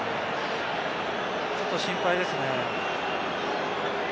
ちょっと心配ですね。